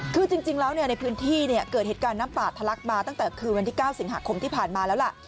คือจริงแล้วในพื้นที่เกิดเหตุการณ์น้ำป่าทะลักมาตั้งแต่คืนวันที่๙สิงหาคมที่ผ่านมาแล้วล่ะ